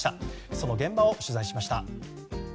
その現場を取材しました。